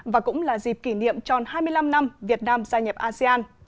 và cũng là dịp kỷ niệm tròn hai mươi năm năm việt nam gia nhập asean